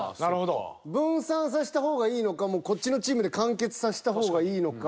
分散させた方がいいのかこっちのチームで完結させた方がいいのか。